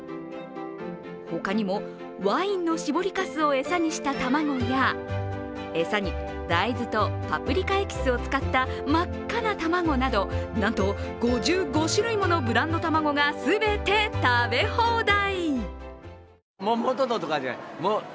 他にも、ワインの搾りかすを餌にした卵や餌に大豆とパプリカエキスを使った真っ赤な卵など、なんと５５種類ものブランド卵が全て食べ放題。